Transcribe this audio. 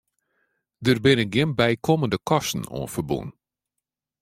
Der binne gjin bykommende kosten oan ferbûn.